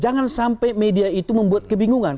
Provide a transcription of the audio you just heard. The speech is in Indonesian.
jangan sampai media itu membuat kebingungan